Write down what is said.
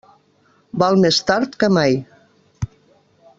Val més tard que mai.